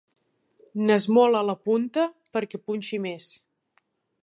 N'esmola la punta perquè punxi més.